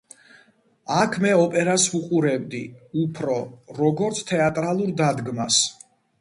აქ მე ოპერას ვუყურებდი უფრო, როგორც თეატრალურ დადგმას.